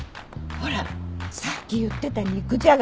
ほらさっき言ってた肉じゃが。